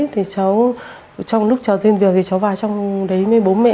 thì cháu trong lúc trò xin việc thì cháu vào trong đấy với bố mẹ